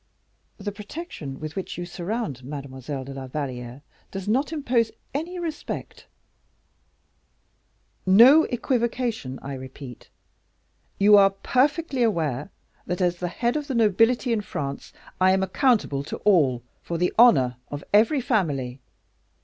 "The protection with which you surround Mademoiselle de la Valliere does not impose any respect." "No equivocation, I repeat; you are perfectly aware that, as the head of the nobility in France, I am accountable to all for the honor of every family.